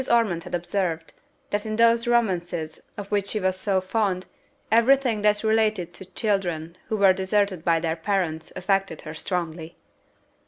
Ormond had observed, that in those romances, of which she was so fond, every thing that related to children who were deserted by their parents affected her strongly.